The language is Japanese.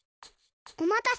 おまたせ。